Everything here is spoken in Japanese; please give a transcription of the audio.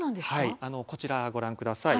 こちらをご覧ください。